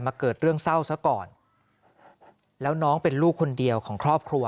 เกิดเรื่องเศร้าซะก่อนแล้วน้องเป็นลูกคนเดียวของครอบครัว